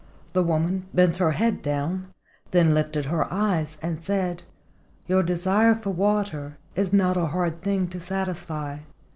The woman bent her head down, then lifted her eyes, and said: "Your desire for water is not a hard thing to satisfy.